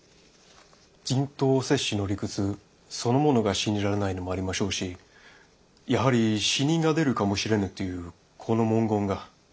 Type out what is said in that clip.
人痘接種の理屈そのものが信じられないのもありましょうしやはり死人が出るかもしれぬというこの文言が。